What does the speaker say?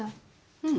うん。